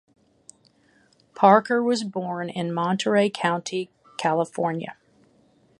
Parker was born in Monterey County, California.